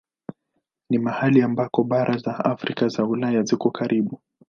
Ni mahali ambako bara za Afrika na Ulaya ziko karibu.